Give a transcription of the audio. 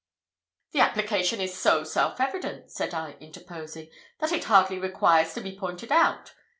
"The application is so self evident," said I, interposing, "that it hardly requires to be pointed out.